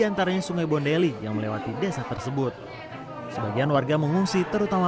antaranya sungai bondeli yang melewati desa tersebut sebagian warga mengungsi terutama